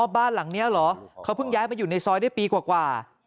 บ้านหลังนี้เหรอเขาเพิ่งย้ายมาอยู่ในซอยได้ปีกว่า